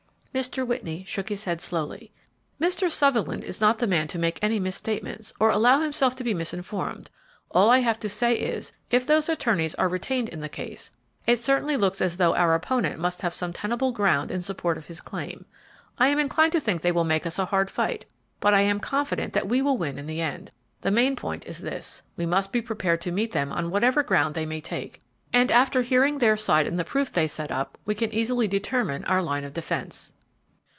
Mr. Whitney shook his head slowly. "Mr. Sutherland is not the man to make any misstatements or allow himself to be misinformed. All I have to say is, if those attorneys are retained in the case, it certainly looks as though our opponent must have some tenable ground in support of his claim. I am inclined to think they will make us a hard fight, but I am confident that we will win in the end. The main point is this: we must be prepared to meet them on whatever ground they may take, and, after hearing their side and the proof they set up, we can easily determine our line of defence."